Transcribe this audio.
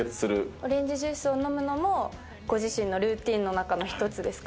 オレンジジュースを飲むのも、ご自身のルーティンの中の一つですか。